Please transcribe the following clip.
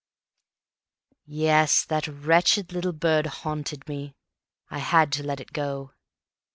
Yes, that wretched little bird haunted me. I had to let it go.